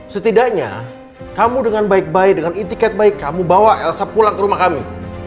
setidaknya kamu dengan baik baik dengan intikat baik kamu bawa elsa pulang ke rumah kami